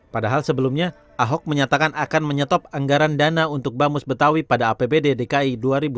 padahal sebelumnya ahok menyatakan akan menyetop anggaran dana untuk bamus betawi pada apbd dki dua ribu dua puluh